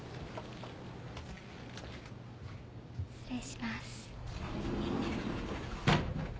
失礼します。